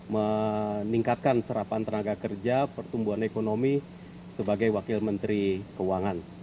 meningkatkan serapan tenaga kerja pertumbuhan ekonomi sebagai wakil menteri keuangan